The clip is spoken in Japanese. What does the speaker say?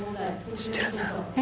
知ってる？